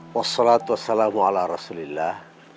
wassalatu wassalamu ala rasulillah